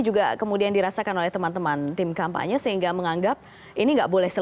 juga kemudian dirasakan oleh teman teman tim kampanye sehingga menganggap ini nggak boleh